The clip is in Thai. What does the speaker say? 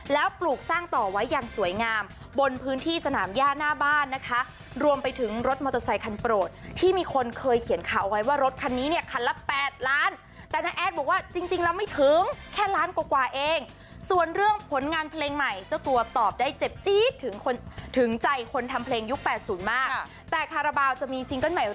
แล้วปลูกสร้างต่อไว้อย่างสวยงามบนพื้นที่สนามย่าหน้าบ้านนะคะรวมไปถึงรถมอเตอร์ไซคันโปรดที่มีคนเคยเขียนข่าวเอาไว้ว่ารถคันนี้เนี่ยคันละ๘ล้านแต่น้าแอดบอกว่าจริงแล้วไม่ถึงแค่ล้านกว่าเองส่วนเรื่องผลงานเพลงใหม่เจ้าตัวตอบได้เจ็บจี๊ดถึงคนถึงใจคนทำเพลงยุค๘๐มากแต่คาราบาลจะมีซิงเกิ้ลใหม่